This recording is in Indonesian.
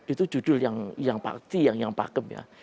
itu judul yang pasti yang pakem ya